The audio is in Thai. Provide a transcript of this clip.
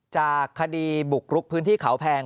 จากคดีบุกรุกพื้นที่เขาแพง